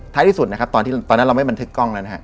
ที่สุดนะครับตอนที่ตอนนั้นเราไม่บันทึกกล้องแล้วนะฮะ